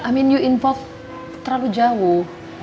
i mean you involved terlalu jauh